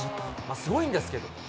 すごいんですけど。